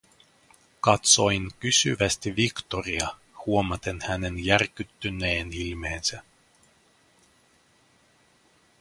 Katsoin kysyvästi Victoria huomaten hänen järkyttyneen ilmeensä: